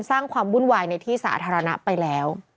สร้างความวุ่นวายในที่สาธารณะไปแล้ว